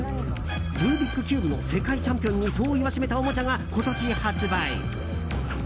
ルービックキューブの世界チャンピオンにそう言わしめたおもちゃが今年発売。